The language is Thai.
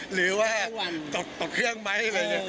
หรือว่าตกเครื่องไม้